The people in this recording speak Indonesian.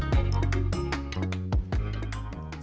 yang memiliki kedalaman hingga lima belas m